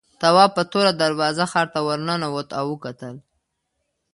تواب په توره دروازه ښار ته ورننوت او وکتل.